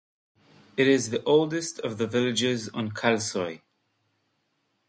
It is the oldest of the villages on Kalsoy.